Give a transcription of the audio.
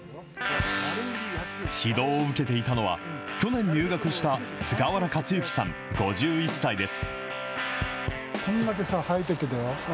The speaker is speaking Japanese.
指導を受けていたのは、去年入学した菅原勝之さん５１歳です。